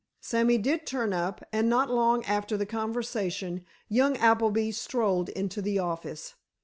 Sammy did turn up, and not long after the conversation young Appleby strolled into the office.